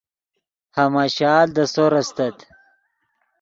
ہماشال دے سور استت